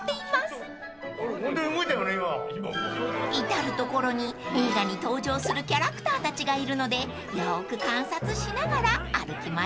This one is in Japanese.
［至る所に映画に登場するキャラクターたちがいるのでよく観察しながら歩きましょう］